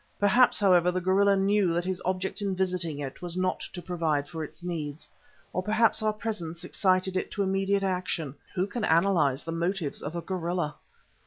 Perhaps, however, the gorilla knew that his object in visiting it was not to provide for its needs. Or perhaps our presence excited it to immediate action. Who can analyse the motives of a gorilla?